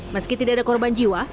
meski tidak ada korban jiwa